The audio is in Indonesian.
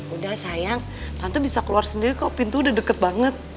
udah sayang tante bisa keluar sendiri kok pintu udah deket banget